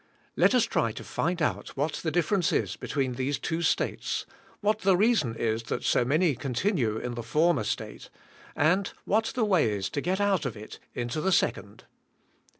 Let us try to find out what the difference is between these two states; what the reason is that so many continue in the for mer state; what the way is to get out of it into the second.